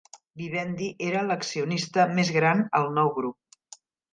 Vivendi era el accionista més gran al nou grup.